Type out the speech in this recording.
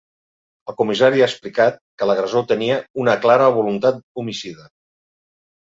El comissari ha explicat que l’agressor tenia ‘una clara voluntat homicida’.